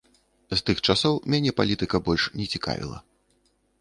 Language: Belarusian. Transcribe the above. З тых часоў мяне палітыка больш не цікавіла.